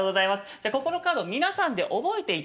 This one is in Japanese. じゃここのカード皆さんで覚えていただきます。